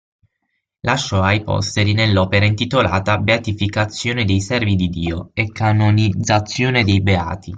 Lasciò ai posteri nell'opera intitolata Beatificazione dei Servi di Dio e canonizzazione dei Beati.